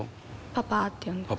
パパって呼んでます。